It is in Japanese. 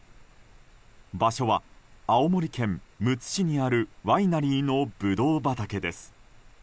場所は、青森県むつ市にあるワイナリーのブドウ畑です。